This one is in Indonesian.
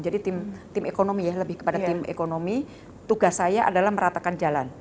jadi tim ekonomi ya lebih kepada tim ekonomi tugas saya adalah meratakan jalan